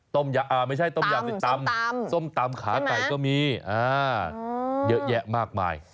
ไม่ใช่ต้มยำส้มตำขาไก่ก็มีเยอะแยะมากมาย